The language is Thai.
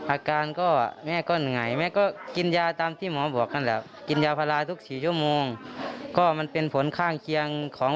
อาการแม่ก็ไหนตามที่หมอบอกกินยาพาราทุกสี่ชั่วโมง